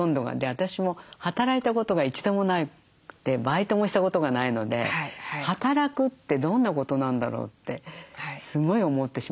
私も働いたことが一度もなくてバイトもしたことがないので働くってどんなことなんだろうってすごい思ってしまって。